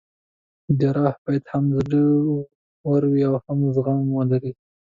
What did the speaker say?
جراح باید هم زړه ور وي او هم زغم ولري.